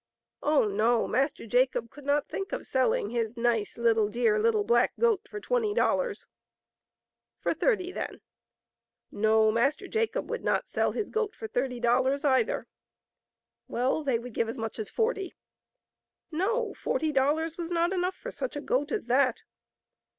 Oh, no ; Master Jacob could not think of selling his nice little, dear little black goat for twenty dollars. For thirty, then. No ; Master Jacob would not sell his goat for thirty dollars, either. Well, they would give as much as forty. No ; forty dollars was not enough for such a goat as that.